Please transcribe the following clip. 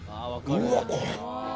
うわっこれ！